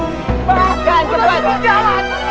mbak jalan jalan